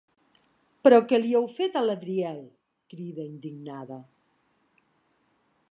Però què li heu fet a l'Adriel? —crida indignada.